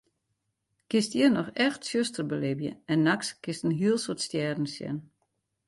Kinst hjir noch echt tsjuster belibje en nachts kinst in heel soad stjerren sjen.